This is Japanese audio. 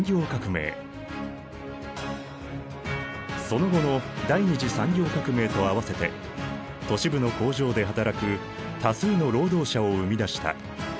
その後の第二次産業革命と併せて都市部の工場で働く多数の労働者を生み出した。